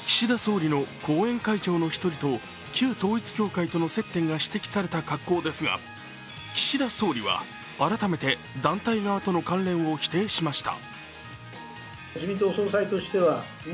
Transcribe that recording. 岸田総理の後援会長の１人と旧統一教会との接点が指摘された格好ですが、岸田総理は改めて団体側との関連を否定しました。